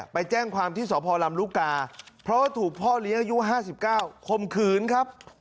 ไปแจ้งความที่สพลำลูกกาเพราะว่าถูกพ่อเลี้ยงอายุ๕๙คมขืนครับ